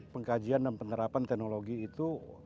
pengkajian dan penerapan teknologi itu